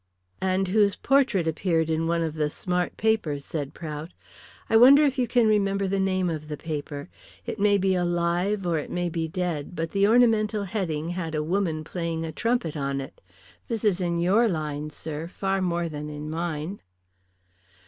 "And whose portrait appeared in one of the smart papers," said Prout. "I wonder if you can remember the name of the paper. It may be alive or it may be dead, but the ornamental heading had a woman playing a trumpet on it. This is in your line, sir, far more than in mine."